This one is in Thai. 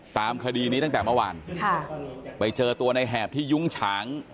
ตามคดีนี้ตั้งแต่เมื่อวานค่ะไปเจอตัวในแหบที่ยุ้งฉาง